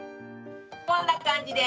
こんな感じです。